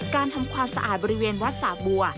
ทำความสะอาดบริเวณวัดสาบัว